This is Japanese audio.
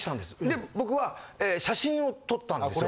で僕は写真を撮ったんですよ。